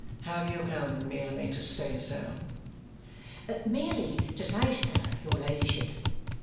"Have you come merely to say so?" "Merely to say so, your ladyship."